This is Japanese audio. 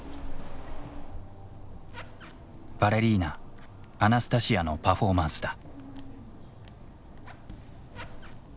バレリーナアナスタシアのパフォーマンスだ。